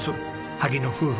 萩野夫婦